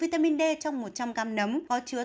vitamin d trong một trăm linh gram nấm có chứa